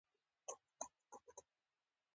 دا کتاب په اتیا ژبو ژباړل شوی دی.